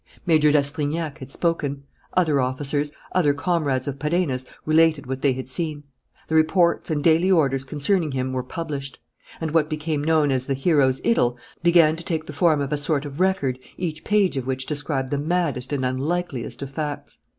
Major d'Astrignac had spoken. Other officers, other comrades of Perenna's, related what they had seen. The reports and daily orders concerning him were published. And what became known as "The Hero's Idyll" began to take the form of a sort of record each page of which described the maddest and unlikeliest of facts.